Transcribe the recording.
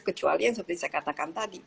kecuali yang seperti saya katakan tadi